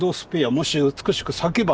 もし美しく咲けばな。